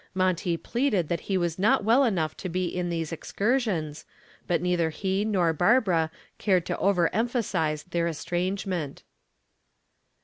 Monty pleaded that he was not well enough to be in these excursions, but neither he nor Barbara cared to over emphasize their estrangement.